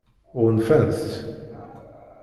Ɣunfant-t?